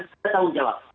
kita tahu jawab